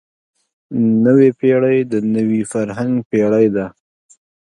نوې پېړۍ د نوي فرهنګ پېړۍ ده.